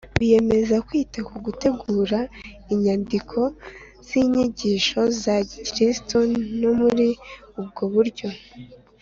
biyemeza kwita ku gutegura inyandiko z’inyigisho za gikristo ni muri ubwo buryo,